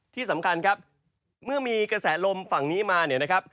ที่สำคัญครับเมื่อมีกระแสลมฝั่งนี้มา